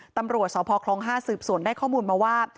ตำรวจสพคล๕สืบสวนได้ข้อมูลมาว่า